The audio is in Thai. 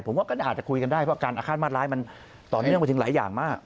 ผมว่าก็อาจจะคุยกันได้เพราะการอาฆาตมาตร้ายมันต่อเนื่องไปถึงหลายอย่างมาก